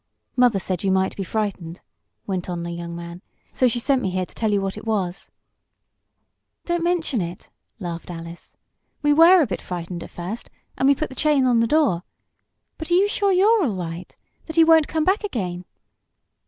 "Mother said you might be frightened," went on the young man, "so she sent me here to tell you what it was." "Don't mention it," laughed Alice. "We were a bit frightened at first, and we put the chain on the door. But are you sure you're all right that he won't come back again?"